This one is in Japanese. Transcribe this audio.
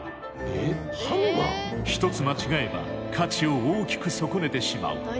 一つ間違えば価値を大きく損ねてしまう。